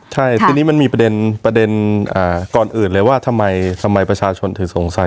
ใช่ทีนี้มันมีประเด็นก่อนอื่นเลยว่าทำไมประชาชนถึงสงสัย